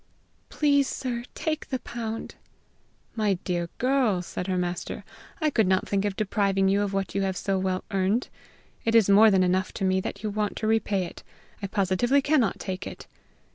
Please, sir, take the pound." "My dear girl," said her master, "I could not think of depriving you of what you have so well earned. It is more than enough to me that you want to repay it. I positively cannot take it."